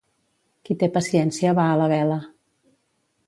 Qui té paciència va a la vela.